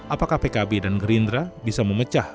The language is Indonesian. apakah pkb dan gerindra bisa memecah